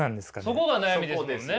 そこが悩みですもんね。